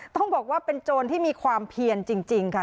ต้องบอกว่าเป็นโจรที่มีความเพียนจริงค่ะ